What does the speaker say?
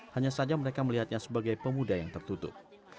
hanya saja mereka melihatnya sebagai pemuda yang tertutup